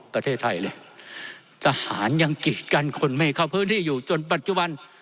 ประเทศไทยเลยทหารยังกีดกันคนไม่เข้าพื้นที่อยู่จนปัจจุบัน